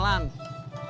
om udah jalan sih